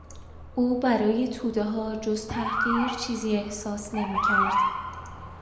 او برای تودهها جز تحقیر چیزی احساس نمیکرد.